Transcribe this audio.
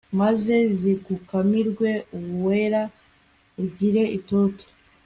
maze zigukamirwe uwera ugire itoto